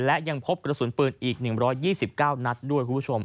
และยังพบกระสุนปืนอีก๑๒๙นัดด้วยคุณผู้ชม